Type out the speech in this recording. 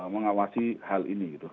mengawasi hal ini gitu